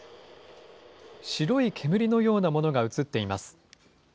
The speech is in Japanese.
白い煙のようなものが映っています。